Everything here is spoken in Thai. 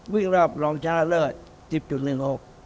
วิ่งรอบลองชาวเลือด๑๐๑๖